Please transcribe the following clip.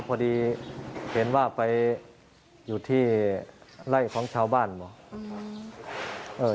พอดีเห็นว่าไปอยู่ที่ไล่ของชาวบ้านเหรอ